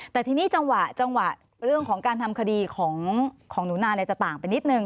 แต่ทีนี้จังหวะจังหวะเรื่องของการทำคดีของหนูนาจะต่างไปนิดนึง